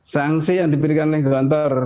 sanksi yang diberikan oleh kantor